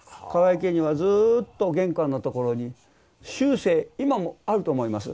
河井家にはずっと玄関のところに終生今もあると思います。